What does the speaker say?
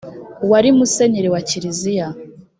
wari musenyeri wa kiriziya